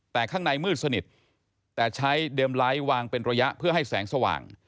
แต่ข้างในมืดสนิทแต่ใช้เดมไลท์วางเป็นระยะเพื่อให้แสงสว่าง